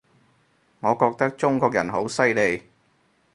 我覺得中國人好犀利